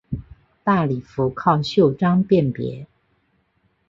大礼服靠袖章辨别。